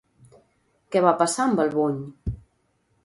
Què va passar amb el bony?